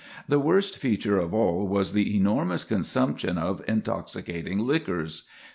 The worst feature of all was the enormous consumption of intoxicating liquors.